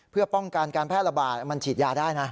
เพื่อป้องกันการแพร่ระบาดมันฉีดยาได้นะ